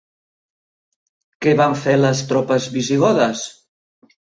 Què van fer les tropes visigodes?